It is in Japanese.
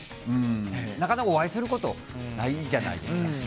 なかなか、お会いすることないじゃないですか。